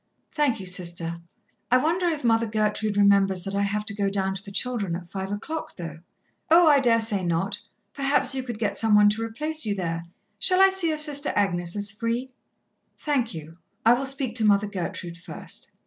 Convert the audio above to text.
"Thank you, Sister. I wonder if Mother Gertrude remembers that I have to go down to the children at five o'clock, though?" "Oh, I dare say not. Perhaps you could get some one to replace you there. Shall I see if Sister Agnes is free?" "Thank you, I will speak to Mother Gertrude first."